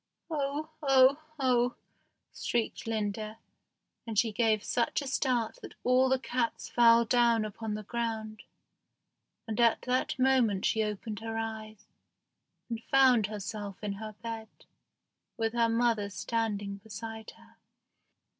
"Oh! oh! oh!" shrieked Linda, and she gave such a start that all the cats fell down upon the ground; and at that moment she opened her eyes, and found herself in her bed, with her mother standing beside her.